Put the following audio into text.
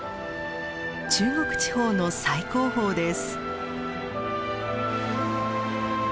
中国地方の最高峰です。